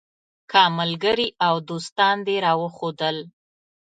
که ملګري او دوستان دې راوښودل.